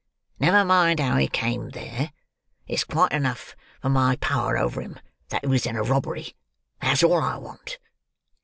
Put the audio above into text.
Never mind how he came there; it's quite enough for my power over him that he was in a robbery; that's all I want.